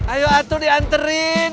ayo atuh dianterin